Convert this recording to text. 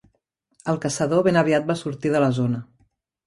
El caçador ben aviat va sortir de la zona.